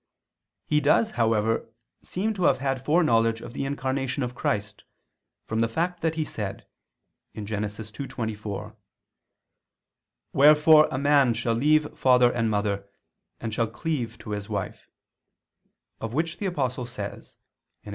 He does, however, seem to have had foreknowledge of the Incarnation of Christ, from the fact that he said (Gen. 2:24): "Wherefore a man shall leave father and mother, and shall cleave to his wife," of which the Apostle says (Eph.